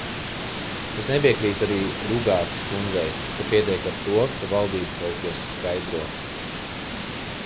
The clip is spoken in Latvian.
Es nepiekrītu arī Rugātes kundzei, ka pietiek ar to, ka valdība kaut ko skaidro.